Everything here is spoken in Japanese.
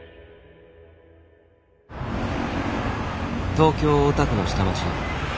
東京大田区の下町。